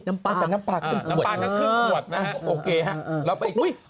น้ำปากน้ำปากกันครึ่งขวดนะฮะโอเคฮะแล้วไปอุ้ย